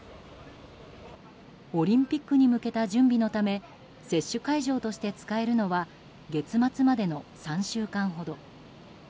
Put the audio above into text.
オリンピックに向けた準備のため、接種会場として使えるのは月末までの３週間ほど。